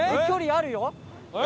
距離あるよ？